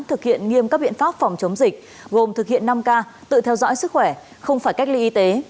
thực hiện nghiêm các biện pháp phòng chống dịch gồm thực hiện năm k tự theo dõi sức khỏe không phải cách ly y tế